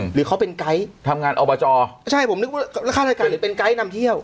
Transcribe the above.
หรือเขาเป็นไกด์ทำงานอบจก็ใช่ผมนึกว่าค่ารายการหรือเป็นไกด์นำเที่ยว